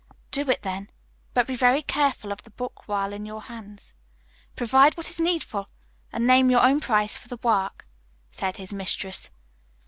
"Do it, then, but be very careful of the book while in your hands. Provide what is needful, and name your own price for the work," said his mistress.